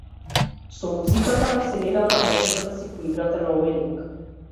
Со музиката на вселената можете да си поиграте на овој линк.